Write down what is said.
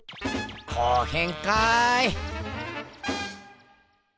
後編かい。